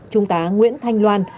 trung tá nguyễn thanh loan